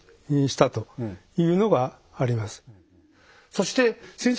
そして先生